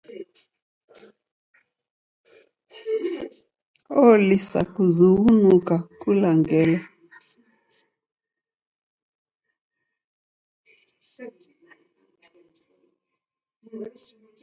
Olisa kuzughunuka kula ngelo.